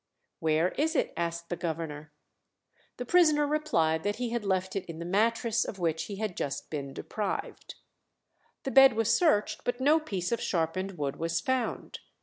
"Where is it?" asked the governor. The prisoner replied that he had left it in the mattress of which he had just been deprived. The bed was searched, but no piece of sharpened wood was found.